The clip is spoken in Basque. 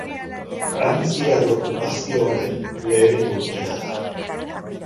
Frantziar okupazioaren lehen urtea da.